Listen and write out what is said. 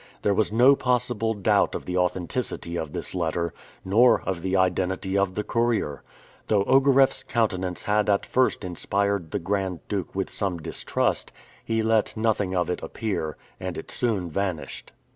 There was no possible doubt of the authenticity of this letter, nor of the identity of the courier. Though Ogareff's countenance had at first inspired the Grand Duke with some distrust, he let nothing of it appear, and it soon vanished.